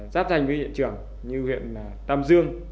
giáp danh với hiện trường như huyện tam dương